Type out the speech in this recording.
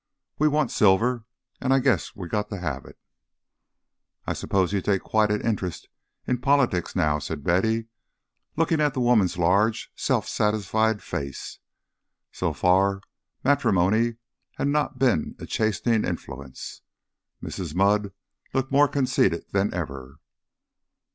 We want silver, and I guess we've got to have it." "I suppose you take quite an interest in politics now," said Betty, looking at the woman's large self satisfied face. So far, matrimony had not been a chastening influence. Mrs. Mudd looked more conceited than ever.